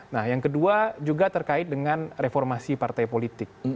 nah yang kedua juga terkait dengan reformasi partai politik